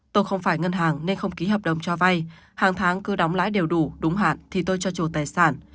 tôi không phải ngân hàng nên không ký hợp đồng cho vai hàng tháng cứ đóng lái đều đủ đúng hạn thì tôi cho chủ tài sản